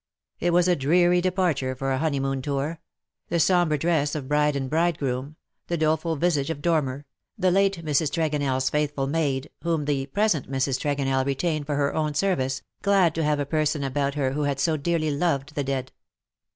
It was a dreary departure for a honeymoon tour — the sombre dress of bride and bridegroom, the doleful visage of Dormer, the late Mrs. TregonelFs faithful maid, whom the present Mrs. Tregonell retained for her own service, glad to have a person about her who had so dearly loved the dead.